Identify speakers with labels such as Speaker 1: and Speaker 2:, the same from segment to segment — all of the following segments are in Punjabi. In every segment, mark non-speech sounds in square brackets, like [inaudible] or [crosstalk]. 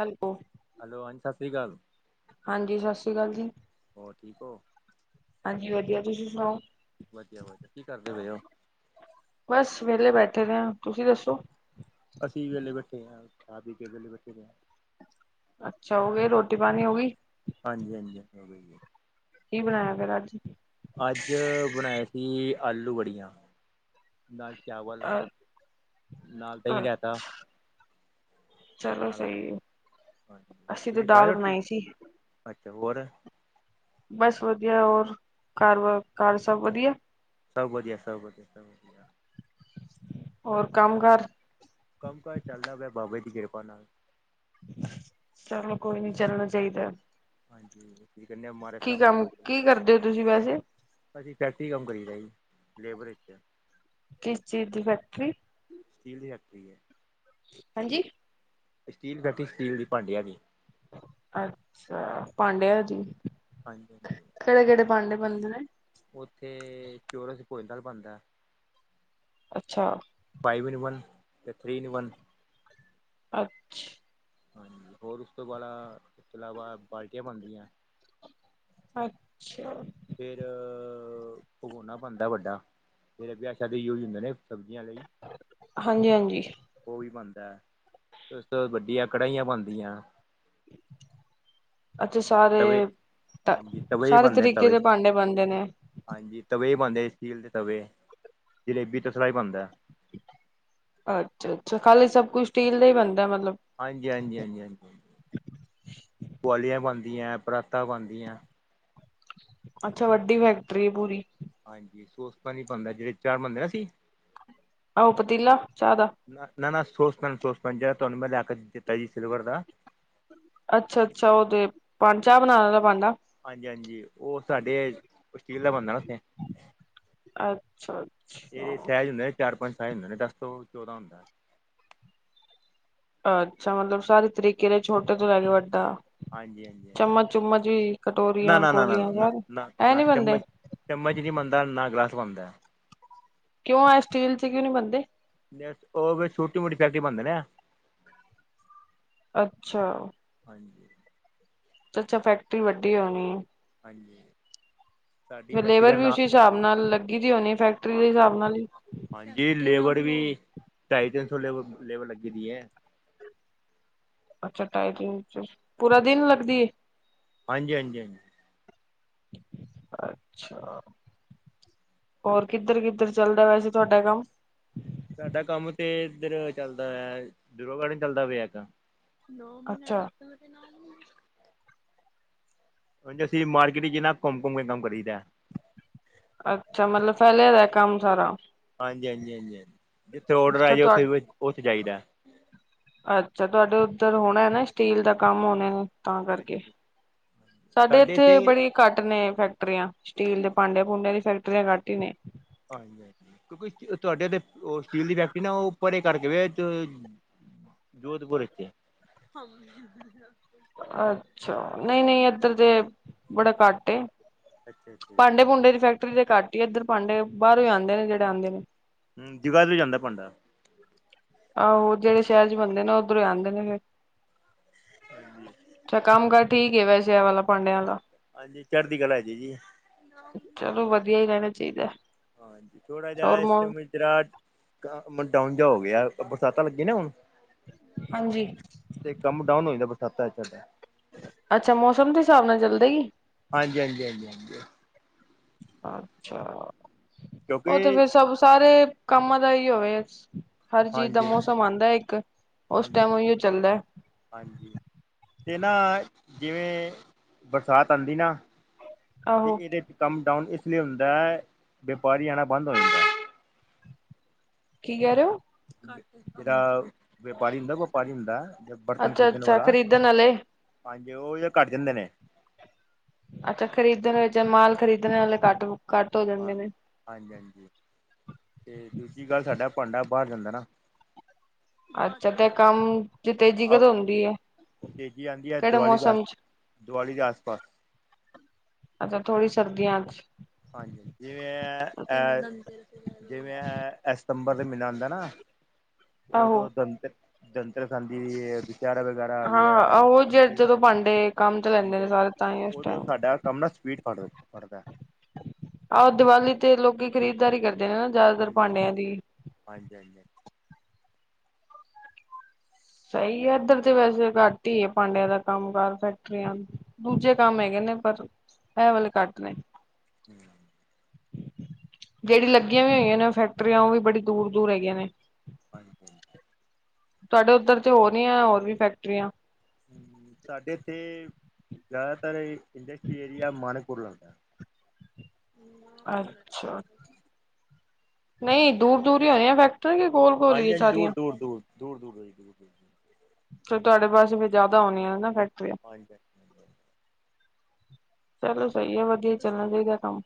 Speaker 1: ਹੈਲੋ
Speaker 2: ਹੈਲੋ ਹਾਂਜੀ ਸਤਿ ਸ਼੍ਰੀ ਅਕਾਲ।
Speaker 1: ਹਾਂਜੀ ਸਤਿ ਸ਼੍ਰੀ ਅਕਾਲ ਜੀ।
Speaker 2: ਹੋਰ ਠੀਕ ਹੋ?
Speaker 1: ਹਾਂਜੀ ਵਧੀਆ ਤੁਸੀਂ ਸੁਣਾਓ?
Speaker 2: ਵਧੀਆ- ਵਧੀਆ। ਕੀ ਕਰਦੇ ‌ਪਏ ਹੋ?
Speaker 1: ਬਸ, ਵੇਹਲੇ ਬੈਠੇ ਰਹੇ। ਤੁਸੀਂ ਦੱਸੋ?
Speaker 2: ਅਸੀਂ ਵੇਲੇ ਬੈਠੇ ਹਾਂ। ਖਾ- ਪੀਕੇ ਵੇਹਲੇ ਬੈਠੇ ਰਹੇ ਹਾਂ।
Speaker 1: ਅੱਛਾ ਹੋਗੇ ਰੋਟੀ ਪਾਣੀ ਹੋ ਗਈ?
Speaker 2: ਹਾਂਜੀ- ਹਾਂਜੀ [unintelligible]
Speaker 1: ਕੀ ਬਣਾਇਆ ਫੇਰ ਅੱਜ?
Speaker 2: ਅੱਜ ਬਣਾਏ ਸੀ। ਆਲੂ ਵੜੀਆਂ। ਨਾਲ ਚਾਵਲ
Speaker 1: ਅ
Speaker 2: ਨਾਲ ਦਹੀਂ ਰਾਇਤਾ।
Speaker 1: ਚਲੋ ਸਹੀ ਏ। ਅਸੀਂ ਤੇ ਦਾਲ ਬਣਾਈ ਸੀ
Speaker 2: [unintelligible]
Speaker 1: ਬਸ ਵਧੀਆ ਹੋਰ ਘਰ ਬਾਰ ਘਰ ਸਭ ਵਧੀਆ?
Speaker 2: ਸਭ ਵਧੀਆ ਸਭ ਵਧੀਆ ਸਭ ਵਧੀਆ।
Speaker 1: ਹੋਰ ਕੰਮ ਕਾਰ?
Speaker 2: ਕੰਮ- ਕਜ ਚੱਲਦਾ ਪਿਆ ਬਾਬੇ ਦੀ ਕਿਰਪਾ ਨਾਲ।
Speaker 1: ਚਲੋ, ਕੋਈ ਨਹੀਂ ਚੱਲਣਾ ਚਾਹੀਦਾ।
Speaker 2: ਹਾਂਜੀ। ਜਿੰਨੇ ਮਰ
Speaker 1: ਕੀ ਕੰਮ ਕੀ ਕਰਦੇ ਹੋ। ਤੁਸੀਂ ਵੈਸੇ
Speaker 2: ਅਸੀਂ ਫੈਕਟਰੀ ਕੰਮ ਕਰੀ ਜੀ। ਲੇਬਰ ਇਚ
Speaker 1: ਕਿਸ ਚੀਜ਼ ਦੀ ਫੈਕਟਰੀ।
Speaker 2: ਸਟੀਲ ਦੀ ਫੈਕਟਰੀ ਏ।
Speaker 1: ਹਾਂਜੀ।
Speaker 2: ਸਟੀਲ ਫੈਕਟਰੀ ਸਟੀਲ ਦੀ ਭਾਂਡਿਆਂ ਦੀ।
Speaker 1: ਅੱਛ ਪਾਂਡਿਆਂ ਜੀ
Speaker 2: ਹਾਂਜੀ ਹਾਂਜੀ
Speaker 1: ਕਿਹੜੇ- ਕਿਹੜੇ ਪਾਂਡੇ ਬਣਦੇ ਨੇ।
Speaker 2: ਉੱਥੇ ਚੋਰਸ ਭੋਜਣ ਥਾਲ ਬਣਦਾ।
Speaker 1: ਅੱਛਾ।
Speaker 2: ਫਾਈਵ ਇਨ ਵਨ ਅਤੇ ਥਰੀ ਇਨ ਵਨ
Speaker 1: ਅੱਛਾ।
Speaker 2: ਹਾਂਜੀ। ਹੋਰ ਉਸ ਤੋਂ ਬਾ ਇਸ ਤੋਂ ਇਲਾਵਾ ਬਾਲਟੀਆਂ ਬਣਦੀਆਂ।
Speaker 1: ਅੱਛਾ।
Speaker 2: ਫਿਰ, ਪਗੋਣਾ ਬਣਦਾ ਵੱਡਾ। ਫਿਰ ਅਭ ਵਿਆਹ- ਸ਼ਾਦੀ ਚ ਉਹੀ ਹੁੰਦੇ ਨੇ। ਸਬਜ਼ੀਆਂ ਲਈ।
Speaker 1: ਹਾਂਜੀ ਹਾਂਜੀ
Speaker 2: ਉਹ ਵੀ ਬਣਦਾ। ਉਸ ਤੋਂ ਵੱਡੀਆਂ ਕੜਹੀਆਂ ਬਣਦੀਆਂ।
Speaker 1: ਅੱਛੇ। ਸਾਰੇ
Speaker 2: ਤਵੇ ਹਾਂਜੀ ਤਵੇ
Speaker 1: -ਸਾਰੇ
Speaker 2: ਬਣਦੇ
Speaker 1: ਤਰੀਕੇ
Speaker 2: ਤਵੇ
Speaker 1: ਦੇ ਭਾਂਡੇ ਬਣਦੇ ਨੇ।
Speaker 2: ਹਾਂਜੀ। ਤਵੇ ਹੀ ਬਣਂਦੇ। ਸਟੀਲ ਦੇ ਤਵੇ ਜਲੇਬੀ ਤ ਸਿਰਾ ਹੀ ਬਣਂਦਾ।
Speaker 1: ਅੱਛਾ- ਅੱਛਾ। ਖਾਲੀ ਸਭ ਕੁਝ ਸਟੀਲ ਦਾ ਹੀ ਬਣਦਾ ਮਤਲਬ।
Speaker 2: ਹਾਂਜੀ- ਹਾਂਜੀ -ਹਾਂਜੀ -ਹਾਂਜੀ -ਹਾਂਜੀ ਪੁਆਲੀਆਂ ਬਣਦੀਆਂ ਪਰਾਤਾਂ ਬਣਦੀਆਂ।
Speaker 1: ਅੱਛਾ। ਵੱਡੀ ਫੈਕਟਰੀ ਹੈ ਪੂਰੀ।
Speaker 2: ਹਾਂਜੀ। ਸੋਸ ਪੇਨ ਬਣਦਾ ਜਿਹੜੇ ਚਾਹ ਬਣਿਆ ਸੀ।
Speaker 1: ਆਹੋ ਪਤੀਲਾ ਚਾਹ ਦਾ।
Speaker 2: ਨਾ- ਨਾ- ਨਾ ਸੋਸ ਪੈਨ ਸੋਸ ਪੈਨ ਜ ਜਿਹੜਾ ਮੈਂ ਤੁਹਾਨੂੰ ਲੈ ਕੇ ਦਿੱਤਾ ਸੀ ਸਿਲਵਰ ਦਾ।
Speaker 1: ਅੱਛਾ -ਅੱਛਾ ਉਹਦੇ ਪੰ ਚਾਹ ਬਣਾਉਣਾ ਭਾਂਡਾ
Speaker 2: ਹਾਂਜੀ -ਹਾਂਜੀ ਉਹ ਸਾਡੇ ਸਟੀਲ ਦਾ ਬਣਦਾ ਨਾ ਉੱਥੇ।
Speaker 1: ਅੱਛਾ-
Speaker 2: ਇਹਦੇ
Speaker 1: ਅੱਛਾ।
Speaker 2: ਸਾਈਜ਼ ਹੁੰਦੇ ਨੇ ਚਾਰ -ਪੰਜ ਟਾਈਮ ਹੁੰਦੇ। ਦਸ ਤੋਂ ਚੌਦਾਂ ਹੁੰਦਾ।
Speaker 1: ਅੱਛਾ। ਮਤਲਬ ਸਾਰੇ ਤਰੀਕੇ ਨਾਲ ਛੋਟੇ ਤੋਂ ਲੈ ਕੇ ਵੱਡਾ।
Speaker 2: ਹਾਂਜੀ ਹਾਂਜੀ ਹਾਂਜੀ
Speaker 1: ਚਮਚ- ਚੁਮਚ ਵੀ
Speaker 2: ਨਾ
Speaker 1: ਕਟੋਰੀਆਂ,
Speaker 2: ਨਾ ਨਾ ਨਾ
Speaker 1: ਕੋਲੀਆਂ
Speaker 2: ਨਾ
Speaker 1: ਸਾਰੇ
Speaker 2: ਨਾ
Speaker 1: ਐ
Speaker 2: ਨਾ
Speaker 1: ਨੀ ਬਣਦੇ।
Speaker 2: ਚਮਚ ਚਮਚ ਨਹੀਂ ਬਣਦਾ ਨਾ, ਗਲਾਸ ਬਣਦਾ।
Speaker 1: ਕਿਉਂ ਆਏ ਸਟੀਲ 'ਚ ਕਿਉਂ ਨੀ ਬਣਦੇ।
Speaker 2: ਉਹ ਛੋਟੀ- ਮੋਟੀ ਫੈਕਟਰੀ ਬਣਦੇ ਐ।
Speaker 1: ਅੱਛਾ।
Speaker 2: ਹਾਂਜੀ।
Speaker 1: ਅੱਛਾ। ਫੈਕਟਰੀ ਵੱਡੀ ਹੋਣੀ ਏ।
Speaker 2: ਹਾਂਜੀ। ਸਾਡੀ
Speaker 1: ਫਿਰ
Speaker 2: ਫੈਕਟਰੀ ਦਾ
Speaker 1: ਲੇਬਰ ਵੀ
Speaker 2: ਨਾਂ
Speaker 1: ਉਸ ਹਿਸਾਬ ਨਾਲ ਲੱਗੀ ਦੀ ਹੋਣੀ ਫੈਕਟਰੀ
Speaker 2: ਹਾਂ
Speaker 1: ਦੇ ਹਿਸਾਬ ਨਾਲ ਹੀ।
Speaker 2: ਹਾਂਜੀ। ਲੇਬਰ ਵੀ ਢਾਈ- ਤਿੰਨ ਸੌ ਲੇਬਰ ਲੇਬਰ ਲੱਗੀ ਦੀ ਏ।
Speaker 1: ਅੱਛਾ। ਟਾਈ, ਤਿੰਨ 'ਚ ਪੂਰਾ ਦਿਨ ਲੱਗਦੀ ਏ।
Speaker 2: ਹਾਂਜੀ- ਹਾਂਜੀ -ਹਾਂਜੀ।
Speaker 1: ਅੱਛਾ। ਹੋਰ ਕਿੱਧਰ- ਕਿੱਧਰ ਚੱਲਦਾ ਵੈਸੇ ਤੁਹਾਡਾ ਕੰਮ।
Speaker 2: ਸਾਡਾ ਕੰਮ ਤੇ ਇਧਰ ਚੱਲਦਾ ਹੋ ਡੂਰੋ ਗਾਰਡਨ ਚੱਲਦਾ ਪਿਆ ਹੈਗਾ ਨੌ ਮਹੀਨਟ
Speaker 1: ਅੱਛਾ
Speaker 2: ਆਪ ਨ ਮ [unintelligible] ਏਸੇ ਮਾਰਕੀਟ ਚ ਨਾ ਘੁੰਮ ਘੁੰਮ ਕੇ ਕੰਮ ਕਰੀਦਾ।
Speaker 1: ਅੱਛਾ ਮਤਲਬ ਫੈਲਿਆ ਹੋਇਆ ਕੰਮ ਸਾਰਾ।
Speaker 2: ਹਾਂਜੀ ਹਾਂਜੀ ਹਾਂਜੀ ਹਾਂਜੀ ਜਿੱਥੇ ਔਡਰ ਆ
Speaker 1: ਅੱਛਾ
Speaker 2: ਜੇ
Speaker 1: ਤੁਹਾ
Speaker 2: ਉੱਥੇ ਉੱਥੇ ਜਾਈਦਾ।
Speaker 1: ਅੱਛਾ ਤੁਹਾਡੇ ਉੱਧਰ ਹੋਣਾ। ਸਟੀਲ ਦਾ ਕੰਮ ਹੋਣੇ ਤਾਂ ਕਰਕੇ
Speaker 2: ਹਾਂਜੀ
Speaker 1: ਸਾਡੇ ਇੱਥੇ ਬੜੀ ਘੱਟ ਨੇ ਫੈਕਟਰੀਆਂ ਸਟੀਲ ਦੇ ਭਾਂਡੇ ਭੂੰਡਿਆਂ ਦੀ ਫੈਕਟਰੀਆਂ ਘੱਟ ਹੀ ਨੇ।
Speaker 2: ਹਾਂ ਕਿਉਂਕਿ ਤੁਹਾਡੇ ਤੇ ਉਹ ਸਟੀਲ ਦੀ ਫੈਕਟਰੀ ਨਾ ਉਹ ਪਰੇ ਕਰਕੇ ਵੇ ਐਚ ਜੋਧਪੁਰ ਇੱਥੇ ਏ, ਹੁ।
Speaker 1: ਅੱਛਾ ਨਹੀਂ ਨਹੀਂ ਏਧਰ ਤੇ ਬੜਾ ਘੱਟ ਏ।
Speaker 2: ਅੱਛਾ ਅੱਛਾ ਜੀ
Speaker 1: ਭਾਂਡੇ-ਭੂੰਡੇ ਦੀ ਫੈਕਟਰੀ ਤੇ ਘੱਟ ਹੀ ਏ ਇੱਧਰ, ਭਾਂਡੇ ਬਾਹਰੋਂ ਆਉਂਦੇ ਨੇ ਜਿਹੜੇ ਆਉਂਦੇ ਨੇ।
Speaker 2: ਹਮ ਬਾਹਰ ਵੀ ਜਾਂਦਾ ਭਾਂਡਾ।
Speaker 1: ਆਹੋ ਜਿਹੜੇ ਸ਼ਹਿਰ 'ਚ ਬੰਨ ਦੇ ਨਾ ਉੱਧਰੋਂ ਆਉਂਦੇ ਨੇ ਫਿਰ
Speaker 2: ਹਾਂਜੀ।
Speaker 1: ਅੱਛਾ ਕੰਮ ਕਾਰ ਠੀਕ ਈ ਏ, ਵੈਸੇ ਵਾਲਾ ਭਾਡਿਆਂ ਵਾਲਾ।
Speaker 2: ਹਾਂਜੀ ਚੜ੍ਹਦੀ ਕਲਾ ਹੈ ਜ ਜੀ।
Speaker 1: ਚਲੋ ਵਧੀਆ ਹੀ ਰਹਿਣਾ ਚਾਹੀਦਾ।
Speaker 2: ਹਾਂਜੀ ਥੋੜਾ ਜਿਹਾ
Speaker 1: ਹੋਰ
Speaker 2: ਇਸ
Speaker 1: ਮੌ
Speaker 2: ਟੈਮ'ਚ ਜਿਹੜਾ ਬ ਮ ਡਾਊਨ ਜਹਾ ਹੋ ਗਿਆ ਬਰਸਾਤਾਂ ਲੱਗੀਆਂ ਨੇ ਹੁਣ
Speaker 1: ਹਾਂਜੀ।
Speaker 2: ਤੇ ਕੰਮ ਡਾਊਨ ਹੋ ਜਾਂਦਾ ਬਰਸਾਤਾਂ ਸਾਡੇ
Speaker 1: ਅੱਛਾ ਮੌਸਮ ਦੇ ਹਿਸਾਬ ਨਾਲ ਚੱਲਦਾ ਹੀ
Speaker 2: ਹਾਂਜੀ -ਹਾਂਜੀ-ਹਾਂਜੀ
Speaker 1: ਅੱਛਾ ਉਹ ਤੇ
Speaker 2: ਕਿਉਂਕਿ
Speaker 1: ਫਿਰ ਸਭ ਸਾਰੇ ਕੰਮ ਦਾ ਹੀ ਹੋਵੇ ਹਰ ਚੀਜ਼ ਦਾ
Speaker 2: ਹਾਂਜੀ
Speaker 1: ਮੌਸਮ ਆਉਂਦਾ ਇੱਕ ਉਸ
Speaker 2: ਹਾਂਜੀ
Speaker 1: ਟਾਈਮ
Speaker 2: ਹਾਂਜੀ
Speaker 1: ਉਹੀਓ ਚੱਲਦਾ।
Speaker 2: ਹਾਂਜੀ ਅਤੇ ਨਾ ਜਿਵੇਂ ਬਰਸਾਤ ਆਉਂਦੀ ਨਾ। ਅਤੇ
Speaker 1: ਆਹੋ
Speaker 2: ਇਹਦੇ ਕੰਮ ਡਾਊਨ ਇਸ ਲਈ ਹੁੰਦਾ ਹੈ ਵਪਾਰੀ ਆਣਾ ਬੰਦ ਹੋ ਜਾਂਦਾ।
Speaker 1: ਕੀ ਕਹਿ ਰਹੇ ਓ।
Speaker 2: ਜਿਹੜਾ ਵੇਪਾਰੀ ਹੁੰਦਾ ਵਪਾਰੀ ਹੁੰਦਾ ਜਿਹੜਾ ਬਰਤਨ
Speaker 1: ਅੱਛਾ
Speaker 2: ਖਰੀਦਣ
Speaker 1: ਅੱਛਾ
Speaker 2: ਵਾਲਾ।
Speaker 1: ਖਰੀਦਣ ਵਾਲੇ
Speaker 2: ਹਾਂਜੀ ਉਹ ਘੱਟ ਜਾਂਦੇ ਨੇ।
Speaker 1: ਅੱਛਾ ਖਰੀਦਣ ਵਿੱਚ ਮਾਲ ਖਰੀਦਣ ਵਾਲੇ ਘੱਟ ਘੱਟ ਹੋ ਜਾਂਦੇ
Speaker 2: ਹਾਂ
Speaker 1: ਨੇ।
Speaker 2: ਹਾਂਜੀ ਹਾਂਜੀ ਤੇ ਦੂਜੀ ਗੱਲ ਸਾਡਾ ਭਾਂਡਾ ਬਾਹਰ ਜਾਂਦਾ ਨਾ।
Speaker 1: ਅੱਛਾ ਤੇ ਕੰਮ 'ਚ ਤੇਜ਼ੀ ਕਦੋਂ ਹੁੰਦੀ ਹੈ।
Speaker 2: ਤੇਜ਼ੀ ਆਉਂਦੀ ਹੈ
Speaker 1: ਕਿਹੜੇ
Speaker 2: ਦਿਵਾਲੀ ਦੇ ਆਸ
Speaker 1: ਮੌਸਮ ਚ
Speaker 2: ਦਿਵਾਲੀ ਦੇ ਆਸ ਪਾਸ।
Speaker 1: ਅੱਛਾ ਥੋੜੀ ਸਰਦੀਆਂ 'ਚ।
Speaker 2: ਹਾਂਜੀ ਹਾਂਜੀ ਹਾਂ ਜਿਵੇਂ ਜਿਵੇਂ ਸਤੰਬਰ ਦੇ ਮਹੀਨਾ ਹੁੰਦਾਂ ਨਾ। ਇਹ
Speaker 1: ਆਹੋ
Speaker 2: ਓਦੋਂ ਧਨ ਧੰਨਤੇਰਸ ਆਉਂਦੀ ਵਗੈਰਾ ਵਿਆਹ ਆਏ
Speaker 1: ਹਾਂ
Speaker 2: ਆ
Speaker 1: ਉਹ ਜ ਜਦੋਂ ਭਾਂਡੇ ਕੰਮ ਤੇ ਲੈਂਦੇ
Speaker 2: ਹਾਂਜੀ
Speaker 1: ਨੇ
Speaker 2: ਹਾਂਜੀ
Speaker 1: ਸਾਰੇ ਤਾਂ ਹੀ ਉਸ
Speaker 2: ਉਦੋਂ
Speaker 1: ਟਾਈਮ
Speaker 2: ਸਾਡਾ ਕੰਮ ਨਾ ਸਪੀਡ ਫੜ ਪੜਦਾ।
Speaker 1: ਆਹ ਦੀਵਾਲੀ ਤੇ ਲੋਕੀ ਖਰੀਦਦਾਰੀ ਕਰਦੇ ਨੇ ਨਾ, ਜ਼ਿਆਦਾਤਰ ਭਾਂਡਿਆਂ ਦੀ।
Speaker 2: ਹਾਂਜੀ-ਹਾਂਜੀ-ਹਾਂਜੀ।
Speaker 1: ਸਹੀ ਹੈ, ਇੱਧਰ ਤੇ ਵੈਸੇ ਘੱਟ ਹੀ ਹੈ, ਭਾਂਡਿਆਂ ਦਾ ਕੰਮ-ਕਾਰ, ਫੈਕਟਰੀਆਂ ਦੂਜੇ ਕੰਮ ਹੈਗੇ ਨੇ, ਪਰ ਐ ਵਾਲੇ ਘੱਟ ਨੇ।
Speaker 2: ਹਮ।
Speaker 1: ਜਿਹੜੀ ਲੱਗੀਆਂ ਵੀ ਹੇਗੀਆਂ ਨੇ ਫੈਕਟਰੀਆਂ, ਉਹ ਵੀ ਬੜੀ ਦੂਰ ਦੂਰ ਹੈਗੀਆਂ ਨੇ।
Speaker 2: ਹਾਂਜੀ ਹਾਂਜੀ।
Speaker 1: ਤੁਹਾਡੇ ਉੱਧਰ ਤੇ ਹੋਰ ਨੀ ਹੈ ਹੋਰ ਵੀ ਫੈਕਟਰੀਆਂ।
Speaker 2: ਸਾਡੇ ਇੱਥੇ ਜ਼ਿਆਦਾਤਰ ਇੰਡਸਟਰੀ ਏਰੀਆ ਮਾਨਪੁਰ ਲੱਗਦਾ।
Speaker 1: ਅੱਛਾ ਨਹੀਂ ਦੂਰ ਦੂਰ ਹੀ ਹੋਣੇ ਆ ਫੈਕ ਤੁ ਵੀ ਬੋਲ।
Speaker 2: ਹਾਂਜੀ ਹਾਂਜੀ ਦੂਰ ਦੂਰ ਦੂਰ ਦੂਰ ਦੂਰੀ ਦੂਰ ਦੂਰ।
Speaker 1: ਫਿਰ ਤੁਹਾਡੇ ਪਾਸੇ ਫਿਰ ਜ਼ਿਆਦਾ ਹੋਣੀਆਂ ਨਾ ਫੈਕਟਰੀਆਂ।
Speaker 2: ਹਾਂਜੀ ਹਾਂਜੀ
Speaker 1: ਚਲੋ ਸਹੀ ਹੈ, ਵਧੀਆ ਚੱਲਣਾ ਚਾਹੀਦਾ ਕੰਮ।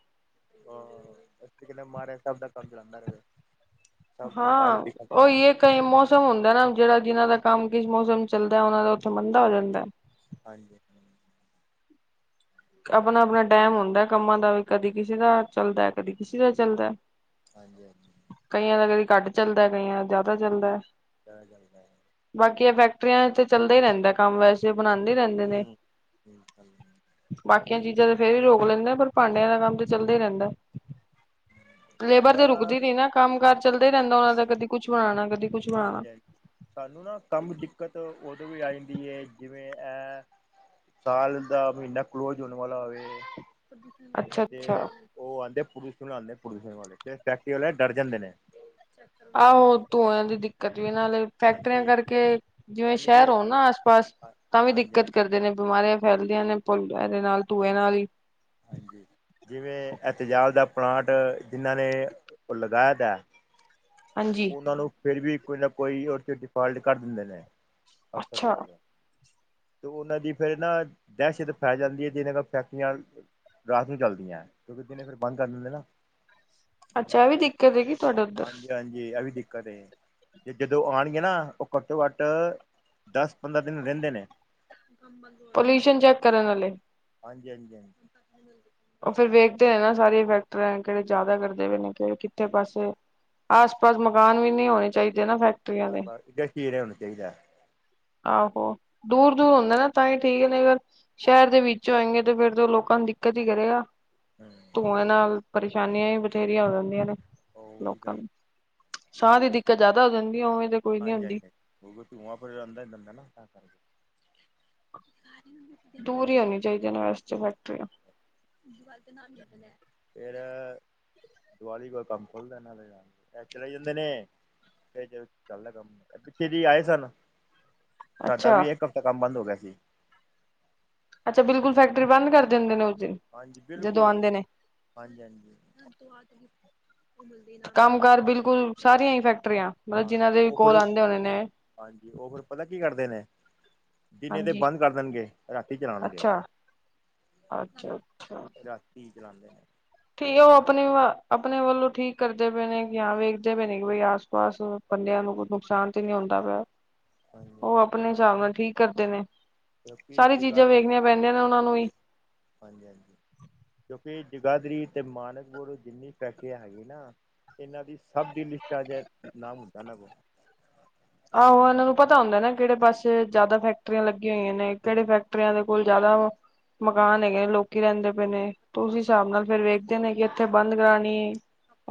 Speaker 2: ਹਾਂ, ਅਸੀਂ ਕਹਿੰਦੇ ਮਹਾਂਰਾਜ ਸੱਬ ਦਾ ਕੰਮ ਚਲਾਂਦਾ ਰਹੇ। ਸਭ ਦਾ ਦਾਲ
Speaker 1: ਹਾਂ,
Speaker 2: ਰੋਟੀ ਖਾਂਦੇ ਰਹਿਣ
Speaker 1: ਉਹੀ, ਇਹ ਕਈ ਮੌਸਮ ਹੁੰਦਾ ਨਾ, ਜਿਹੜਾ, ਜਿਹਨਾਂ ਦਾ ਕੰਮ ਕਿਸ ਮੌਸਮ ਚੱਲਦਾ, ਉਹਨਾਂ ਦਾ ਉੱਥੇ ਮੰਦਾ ਹੋ ਜਾਂਦਾ।
Speaker 2: ਹਾਂਜੀ-ਹਾਂਜੀ।
Speaker 1: ਅਪਨਾ-ਅਪਨਾ ਟਾਇਮ ਹੁੰਦਾ ਕੰਮਾਂ ਦਾ ਵੀ, ਕਦੀ ਕਿਸੇ ਦਾ ਚੱਲਦਾ, ਕਦੀ ਕਿਸੇ ਦਾ ਚੱਲਦਾ।
Speaker 2: ਹਾਂਜੀ-ਹਾਂਜੀ।
Speaker 1: ਕਈਆਂ ਦਾ ਕਦੀ ਘੱਟ ਚੱਲਦਾ, ਕਈਆਂ ਦਾ ਜ਼ਿਆਦਾ ਚੱਲਦਾ।
Speaker 2: ਜ਼ਿਆਦਾ ਚੱਲਦਾ ਹੈ।
Speaker 1: ਬਾਕੀ ਇਹ ਫੈਕਟਰੀਆਂ ਇਥੇ ਚੱਲਦਾ ਹੀ ਰਹਿੰਦਾ ਕੰਮ, ਵੈਸੇ ਬਣਾਂਦੇ ਹੀ ਰਹਿੰਦੇ ਨੇ।
Speaker 2: ਠੀ [unintelligible] ਕੱਲ
Speaker 1: ਬਾਕੀਆਂ ਚੀਜ਼ਾਂ ਤੇ ਫਿਰ ਹੀ ਰੋਕ ਲੈਂਦਾ, ਪਰ ਭਾਂਡਿਆਂ ਦਾ ਕੰਮ ਤੇ ਚੱਲਦਾ ਹੀ ਰਹਿੰਦਾ। ਲੇਬਰ ਤੇ
Speaker 2: ਸਾਡਾ
Speaker 1: ਰੁਕਦੀ ਨੀ ਨਾ, ਕੰਮ-ਕਾਰ ਚੱਲਦਾ ਹੀ ਰਹਿੰਦਾ ਉਹਨਾਂ ਦਾ, ਕਦੀ ਕੁੱਛ, ਬਣਾਉਣਾ ਕਦੀ ਕੁਛ ਬਣਾਉਣਾ।
Speaker 2: ਹਾਂਜੀ- ਹਾਂਜੀ, ਸਾਨੂੰ ਨਾ ਕੰਮ ਦਿੱਕਤ ਉਦੋਂ ਵੀ ਆ ਜਾਂਦੀ ਹੈ, ਜਿਵੇਂ ਐ ਸਾਲ ਦਾ ਮਹੀਨਾ ਕਲੋਜ ਹੋਣ ਵਾਲਾ ਹੋਵੇ।
Speaker 1: ਅੱਛਾ
Speaker 2: ਤੇ
Speaker 1: ਅੱਛਾ
Speaker 2: ਉਹ ਆਂਦੇ ਪੋਲੁਸ਼ਨ ਆਉਂਦੇ, ਪ੍ਰਦੂਸ਼ਣ ਵਾਲੇ, ਤੇ ਫੈਕਟਰੀ ਵਾਲੇ ਡਰ ਜਾਂਦੇ ਨੇ।
Speaker 1: ਆਹੋ, ਧੂੰਏ ਦੀ ਦਿੱਕਤ ਵੀ ਨਾਲੇ ਫੈਕਟਰੀਆਂ
Speaker 2: ਹਾਂਜੀ
Speaker 1: ਕਰਕੇ, ਜਿਵੇਂ
Speaker 2: ਯਾਨੀ
Speaker 1: ਸ਼ਹਿਰ
Speaker 2: ਕਿ
Speaker 1: ਹੋਣ ਨਾ ਆਸ-ਪਾਸ, ਤਾਂ
Speaker 2: ਹਾਂਜੀ
Speaker 1: ਵੀ
Speaker 2: ਹਾਂਜੀ
Speaker 1: ਦਿੱਕਤ ਕਰਦੇ ਨੇ ਬਿਮਾਰੀਆਂ ਫੈਲਦੀਆਂ ਨੇ, ਭੁੱਲ ਇਹਦੇ ਨਾਲ ਧੂਏ ਨਾਲ ਹੀ।
Speaker 2: ਹਾਂਜੀ, ਜਿਵੇਂ, ਐ ਤਜਾਬ ਦਾ ਪਲਾਂਟ ਜਿਨ੍ਹਾਂ ਨੇ, ਉਹ ਲਗਾਇਆ ਤਾ ਹੈ।
Speaker 1: ਹਾਂਜੀ।
Speaker 2: ਉਹਨਾਂ ਨੂੰ, ਫਿਰ ਵੀ ਕੋਈ ਨਾ, ਕੋਈ ਉਹਦੇ 'ਚ ਡਿਫਾਲਟ ਕੱਢ ਦਿੰਦੇ ਨੇ। ਐਸੇ [unintelligible]
Speaker 1: ਅੱਛਾ
Speaker 2: ਲੋਗ ਹੇ ਤੇ ਉਹਨਾਂ ਦੀ ਫਿਰ ਨਾ, ਦਹਿਸ਼ਤ ਪੈ ਜਾਂਦੀ ਹੈ, ਜਿਹਨਾਂ ਕੋਲ ਫੈਕਟਰੀਆਂ ਰਾਤ ਨੂੰ ਚੱਲਦੀਆਂ। ਕਿਉਂਕਿ ਦਿਨੇ ਫਿਰ ਬੰਦ ਕਰ ਦਿੰਦੇ ਨੇ ਨਾ।
Speaker 1: ਅੱਛਾ, ਐ ਵੀ ਦਿੱਕਤ ਹੈਗੀ ਤੁੱਹਾਡੇ ਉੱਧਰ।
Speaker 2: ਹਾਂਜੀ ਹਾਂਜੀ ਇਹ ਆ ਵੀ, ਦਿੱਕਤ ਏ। ਤੇ ਜਦੋਂ ਆਉਣਗੇ ਨਾ, ਉਹ ਘੱਟੋ-ਘੱਟ, ਦੱਸ, ਪੰਦਰਾਂ ਦਿਨ ਰਹਿੰਦੇ ਨੇ। ਗੰਬ ਗੋ [unintelligible]
Speaker 1: ਪਲਊਸ਼ਨ ਚੈੱਕ ਕਰਨ ਵਾਲੇ।
Speaker 2: ਹਾਂਜੀ, ਹਾਂਜੀ, ਹਾਂਜੀ।
Speaker 1: ਉਹ ਫਿਰ ਵੇਖਦੇ ਨੇ ਨਾ, ਸਾਰੇ ਫੈਕਟਰੀ ਹੈ ਕਿਹੜੇ ਜ਼ਿਆਦਾ ਕਰਦੇ ਪਏ ਨੇ। ਕਿੱਥੇ ਪਾਸੇ, ਆਸ-ਪਾਸ ਮਕਾਨ ਵੀ ਨਹੀਂ ਹੋਣੇ ਚਾਹੀਦੇ ਨਾ, ਫੈਕਟਰੀ
Speaker 2: ਪਰ, [unintelligible] ਚੀਰ ਹੋਣਾ ਚਾਹੀਦਾ।
Speaker 1: ਆਹੋ, ਦੂਰ -ਦੂਰ ਹੁੰਦਾ ਨਾ, ਤਾਂ ਹੀ ਠੀਕ ਹੈ, ਨਹੀਂ ਸ਼ਹਿਰ ਦੇ ਵਿੱਚ ਹੋਏੰਗੇ, ਤੇ ਫਿਰ ਤੇ ਉਹ ਲੋਕਾਂ ਨੂੰ ਦਿੱਕਤ ਹੀ ਕਰੇਗਾ।
Speaker 2: ਹਮ [unintelligible]
Speaker 1: ਧੂੰਆਂ ਨਾਲ, ਪਰੇਸ਼ਾਨੀਆਂ ਹੀ ਬਥੇਰੀਆਂ ਹੋ ਜਾਂਦੀਆਂ ਨੇ,
Speaker 2: ਉਹੀ
Speaker 1: ਲੋਕਾਂ
Speaker 2: ਗੱਲ
Speaker 1: ਨੂੰ। ਸਾਹ ਦੀ ਦਿੱਕਤ ਜ਼ਿਆਦਾ ਹੋ ਜਾਂਦੀ, ਉਵੇਂ ਤੇ। ਕੋਈ ਨੀ
Speaker 2: ਹਾਂਜੀ-
Speaker 1: ਹੁੰਦੀ
Speaker 2: ਹਾਂਜੀ, ਹਾਂ ਉਹ ਧੂੰਆਂ ਫਿਰ ਅੰਦਰ ਜਾਂਦਾ ਨਾ, ਤਾਂ ਕਰਕੇ
Speaker 1: ਦੂਰ ਹੀ ਹੋਣੀ ਚਾਹੀਦੀਆ ਨ ਵੈਸੇ ਤਾ, ਫੈਕਟਰੀਆਂ।
Speaker 2: ਫਿਰ, ਦੀਵਾਲੀ ਤੇ ਕੰਮ ਖੁਲਦਾ ਇਹਦੇ ਨਾਲ। ਚਲੇ ਜਾਂਦੇ ਨੇ ਜੇ ਚੱਲਦਾ ਕੰਮ। ਪਿੱਛੇ ਜੀ ਆਏ ਸਨ, ਸਾਡਾ
Speaker 1: ਅੱਛਾ
Speaker 2: ਵੀ ਇੱਕ ਹਫ਼ਤਾ ਕੰਮ ਬੰਦ ਹੋ ਗਿਆ ਸੀ।
Speaker 1: ਅੱਛਾ, ਬਿਲਕੁੱਲ ਫੈਕਟਰੀ ਬੰਦ ਕਰ ਦਿੰਦੇ ਨੇ ਉਹਦੀ।
Speaker 2: ਹਾਂਜੀ, ਬਿਲਕੁੱਲ। ਹਾਂਜੀ-ਹਾਂਜੀ।
Speaker 1: ਕੰਮ-ਕਾਰ ਬਿਲਕੁੱਲ, ਸਾਰੀਆਂ ਹੀ ਫੈਕਟਰੀਆਂ। ਮਤਲਬ ਜਿਨਾਂ
Speaker 2: ਹਾਂਜੀ
Speaker 1: ਦੇ ਵੀ
Speaker 2: ਉਹ
Speaker 1: ਕੋਲ
Speaker 2: ਫਿਰ,
Speaker 1: ਆਉਂਦੇ ਹੋਣੇ ਨੇ
Speaker 2: ਹਾਂਜੀ, ਉਹ ਫਿਰ, ਪਤਾ ਕੀ ਕਰਦੇ ਨੇ। ਦਿਨੇ ਤੇ
Speaker 1: ਹਾਂਜੀ
Speaker 2: ਬੰਦ ਕਰ ਦੇਣਗੇ, ਰਾਤੀ ਚਲਾਣਗੇ।
Speaker 1: ਅੱਛਾ ਅੱਛਾ ਅੱਛਾ
Speaker 2: ਕੀ ਚਲਾਂਦੇ ਨੇ?
Speaker 1: ਠੀਕ ਆ, ਉਹ ਆਪਣੀ ਵਾ ਅਪਨੇ ਵੱਲੋਂ ਠੀਕ ਕਰਦੇ ਪਏ ਨੇ, ਕੀ ਹਾਂ, ਵੇਖਦੇ ਪਏ ਨੇ ਕਿ, ਬਈ ਆਸ-ਪਾਸ ਬੰਦਿਆਂ ਨੂੰ ਕੋਈ ਨੁਕਸਾਨ ਤੇ ਨਹੀਂ ਹੁੰਦਾ ਪਿਆ।
Speaker 2: [unintelligible]
Speaker 1: ਉਹ ਆਪਣੇ ਹਿਸਾਬ ਨਾਲ ਠੀਕ ਕਰਦੇ ਨੇ,
Speaker 2: ਕਿਉਂਕਿ
Speaker 1: ਸਾਰੀ ਚੀਜ਼ਾਂ
Speaker 2: ਜਗਾਦਰੀ
Speaker 1: ਵੇਖਣੀਆਂ ਪੈਂਦੀਆਂ ਨੇ, ਉਹਨਾਂ ਨੂੰ ਵੀ
Speaker 2: ਹਾਂਜੀ- ਹਾਂਜੀ, ਕਿਉਂਕਿ ਜਗਾਦਰੀ ਤੇ ਮਾਨਕਪੁਰ ਜਿੰਨੀ ਫੈਕਟਰੀਆਂ ਹੈਗੀ ਨਾ ਇਹਨਾਂ ਦੀ ਸਭ ਦੀ ਲਿਸਟ ਆ ਜਾਏ, ਨਾਮ ਹੁੰਦਾ ਇਨਾਂ ਕੋਲ
Speaker 1: ਆਹੋ ਇਹਨਾਂ ਨੂੰ ਪਤਾ ਹੁੰਦਾ ਨਾ, ਕਿਹੜੇ ਪਾਸੇ ਜਿਆਦਾ ਫੈਕਟਰੀਆਂ ਲੱਗੀਆਂ ਹੋਈਆਂ ਨੇ, ਕਿਹੜੇ ਫੈਕਟਰੀਆਂ ਦੇ ਕੋਲ ਜਿਆਦਾ ਮਕਾਨ ਹੈਗੇ ਨੇ, ਲੋਕੀ ਰਹਿੰਦੇ ਪਏ ਨੇ, ਤੇ ਉਸ ਹਿਸਾਬ ਨਾਲ ਫਿਰ ਵੇਖਦੇ ਨੇ, ਕਿ ਇੱਥੇ ਬੰਦ ਕਰਾਣੀ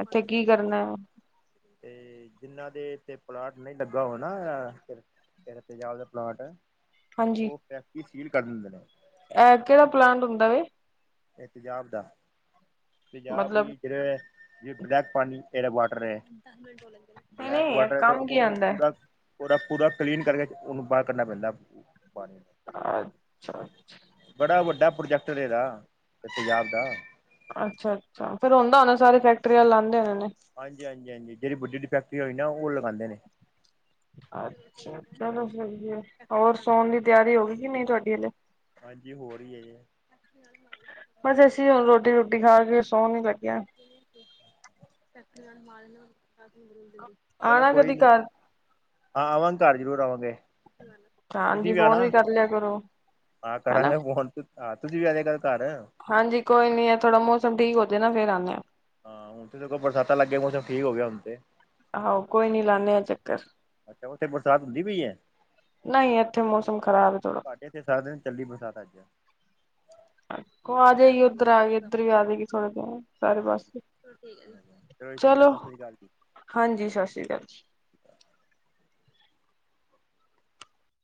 Speaker 1: ਇੱਥੇ ਕੀ ਕਰਨਾ
Speaker 2: ਤੇ ਜਿੰਨਾਂ ਦੇ ਇੱਥੇ ਪਲਾਟ ਨਹੀਂ ਲੱਗਾ ਹੋ ਨਾ, ਫਿਰ ਤੇਜ਼ਾਬ ਦਾ ਪਲਾਂਟ
Speaker 1: ਹਾਂਜੀ
Speaker 2: ਫੈਕਟਰੀ, ਸੀਲ ਕਰ ਦਿੰਦੇ ਨੇ
Speaker 1: ਐ, ਕਿਹੜਾ ਪਲਾਂਟ ਹੁੰਦਾ ਵੇ
Speaker 2: ਇਹ ਤੇਜ਼ਾਬ ਦਾ, ਤੇਜ਼ਾਬ
Speaker 1: ਮਤਲਬ
Speaker 2: ਵੀ ਜਿਹੜਾ ਯੇਹ, ਬਲੈਕ ਪਾਣੀ ਕਿਹੜਾ ਵਾਟਰ ਹੈ?
Speaker 1: ਨਹੀਂ
Speaker 2: ਬਲੈਕ
Speaker 1: ਨਹੀਂ ਇਹ
Speaker 2: ਵਾਟਰ ਹੈ, ਤੇ
Speaker 1: ਕੰਮ ਕੀ
Speaker 2: ਉਹਨੂੰ
Speaker 1: ਆਂਦਾ
Speaker 2: ਪੂਰਾ ਪੂਰਾ -ਪੂਰਾ, ਕਲੀਨ ਕਰਕੇ ਉਹਨੂੰ ਬਾਹਰ ਕੱਢਣਾ ਪੈਂਦਾ ਪਾਣੀ ਨੂੰ
Speaker 1: ਅੱਛਾ-ਅੱਛਾ।
Speaker 2: ਬੜਾ ਵੱਡਾ, ਪ੍ਰੋਜੈਕਟਰ ਹੈ ਇਹਦਾ ਤੇਜ਼ਾਬ ਦਾ।
Speaker 1: ਅੱਛਾ-ਅੱਛਾ, ਫੇਰ ਹੁੰਦਾ ਹੋਣਾ ਸਾਰੇ ਫੈਕਟਰੀ ਵਾਲੇ ਲਾਉਂਦੇ ਹੋਣੇ ਨੇ
Speaker 2: ਹਾਂਜੀ-ਹਾਂਜੀ, ਹਾਂਜੀ ਜਿਹੜੀ ਵੱਡੀ -ਵੱਡੀ ਫੈਕਟਰੀਆਂ ਹੁੰਦੀ ਨਾ ਉਹ ਲਗਾਉਂਦੇ ਨੇ।
Speaker 1: ਅੱਛਾ ਚਲੋ ਫੇਰ, ਹੋਰ ਸੋਣ ਦੀ ਤਿਆਰੀ ਹੋ ਗਈ ਕਿ ਨਹੀਂ, ਤੁਹਾਡੀ ਹਲੇ
Speaker 2: ਹਾਂਜੀ, ਹੋ ਰਹੀ ਹੈ।
Speaker 1: ਬਸ ਅਸੀਂ ਹੁਣ ਰੋਟੀ-ਰੁਟੀ, ਖਾ ਕੇ ਸੌਣ ਹੀ ਲੱਗੇ ਹਾਂ।
Speaker 2: [unintelligible] ਚਲੋ
Speaker 1: ਆਣਾ
Speaker 2: ਕੋਈ
Speaker 1: ਕਦੀ
Speaker 2: ਨੀ,
Speaker 1: ਘਰ
Speaker 2: ਹਾਂ ਆਵਾਂਗੇ, ਘਰ ਜ਼ਰੂਰ ਆਵਾਂਗੇ।
Speaker 1: ਹਾਂਜੀ,
Speaker 2: ਤੁਸੀਂ
Speaker 1: ਫੋਨ
Speaker 2: ਆਣਾ
Speaker 1: ਵੀ ਕਰ ਲਿਆ ਕਰੋ।
Speaker 2: ਹਾਂ
Speaker 1: ਹਨਾ
Speaker 2: ਕਰਾਂਗਾ ਫੋਨ, ਆਹ ਤੁਸੀਂ ਵੀ ਆ ਜਾਇਆ ਕਰੋ ਘਰ।
Speaker 1: ਹਾਂਜੀ ਕੋਈ ਨੀ, ਐ ਥੋੜਾ ਮੌਸਮ ਠੀਕ ਹੋ ਜਾਏ ਨਾ, ਫਿਰ ਆਉਂਦੇ ਹਾਂ
Speaker 2: ਹਾਂ, ਹੁਣ ਤੇ ਸਗੋਂ ਬਰਸਾਤਾਂ ਲੱਗ ਗਈਆਂ, ਮੌਸਮ ਠੀਕ ਹੋ ਗਿਆ ਹੁਣ ਤੇ
Speaker 1: ਆਹੋ, ਕੋਈ ਨੀ ਲਾਨੇ ਆਂ ਚੱਕਰ
Speaker 2: ਅੱਛਾ, ਉੱਥੇ ਬਰਸਾਤ ਹੁੰਦੀ ਪਈ ਹੈ?
Speaker 1: ਨਹੀਂ, ਇੱਥੇ ਮੌਸਮ ਖਰਾਬ ਹੈ ਥੋੜ੍ਹਾ।
Speaker 2: ਸਾਡੇ ਇੱਥੇ, ਸਾਰਾ ਦਿਨ ਚੱਲੀ ਬਰਸਾਤ ਅੱਜ
Speaker 1: ਆ ਜਾਏਗੀ, ਉੱਧਰ ਆ ਗਈ, ਇੱਧਰ ਵੀ ਆ ਜਾਏਗੀ, ਥੋੜੇ ਜਿਹੇ, ਸਾਰੇ ਪਾਸੇ
Speaker 2: [unintelligible] ਚੰਗਾ ਸਤਿ
Speaker 1: ਚਲੋ
Speaker 2: ਸ਼੍ਰੀ ਅਕਾਲ ਜੀ
Speaker 1: ਹਾਂਜੀ ਸਤਿ ਸ਼੍ਰੀ ਅਕਾਲ